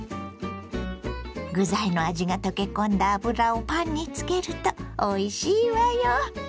具材の味が溶け込んだ油をパンにつけるとおいしいわよ！